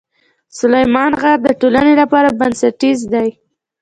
سلیمان غر د ټولنې لپاره بنسټیز دی.